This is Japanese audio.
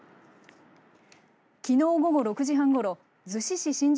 きのう午後６時半ごろ逗子市しん